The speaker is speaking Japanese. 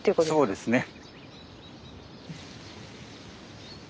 そうですね。